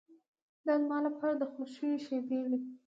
دا زما لپاره د خوښیو شېبې وې.